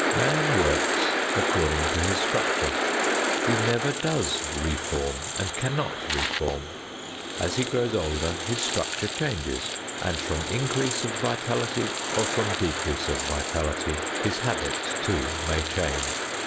Man works according to his structure. He never does reform and cannot reform. As he grows older his structure changes and from increase of vitality or from decrease of vitality his habits, too, may change.